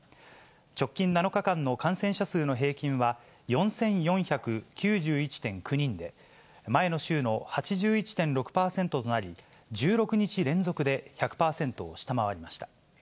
直近７日間の感染者数の平均は、４４９１．９人で、前の週の８１．６％となり、１６日連続で１００％を下回りました。